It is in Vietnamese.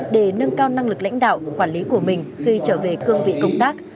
để nâng cao năng lực lãnh đạo quản lý của mình khi trở về cương vị công tác